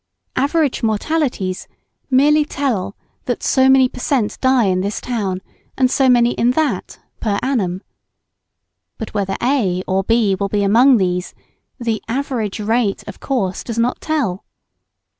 "Average mortalities" merely tell that so many per cent. die in this town and so many in that, per annum. But whether A or B will be among these, the "average rate" of course does not tell.